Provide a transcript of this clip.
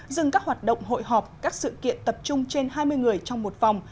dừng các hoạt động hội họp các sự kiện tập trung trên hai mươi người trong một phòng